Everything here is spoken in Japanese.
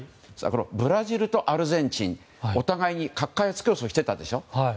ブラジルとアルゼンチンお互いに核開発競争してたでしょ。